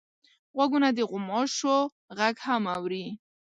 غوږونه د غوماشو غږ هم اوري